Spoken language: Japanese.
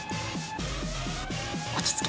落ち着け！